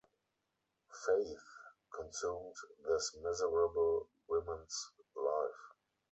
Faith consumed this miserable woman’s life.